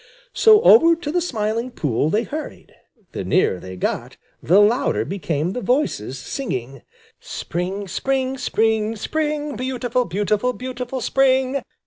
So over to the Smiling Pool they hurried. The nearer they got, the louder became the voices singing: "Spring! Spring! Spring! Spring! Beautiful, beautiful, beautiful Spring!"